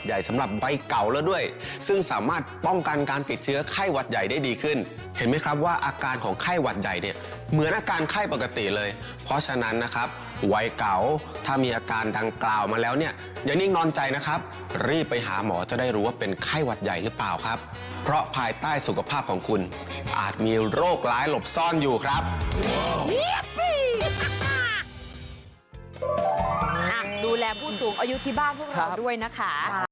ใหญ่เนี่ยเหมือนอาการไข้ปกติเลยเพราะฉะนั้นนะครับวัยเก่าถ้ามีอาการดังกล่าวมาแล้วเนี่ยอย่างนิ่งนอนใจนะครับรีบไปหาหมอจะได้รู้ว่าเป็นไข้หวัดใหญ่หรือเปล่าครับเพราะภายใต้สุขภาพของคุณอาจมีโรคร้ายหลบซ่อนอยู่ครับดูแลผู้สูงอายุที่บ้านพวกเราด้วยนะคะ